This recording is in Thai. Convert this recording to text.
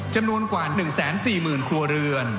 จำนวนกว่า๑๔๐๐๐ครัวเรือน